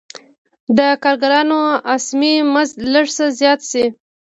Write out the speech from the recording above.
که د کارګرانو اسمي مزد لږ څه زیات شي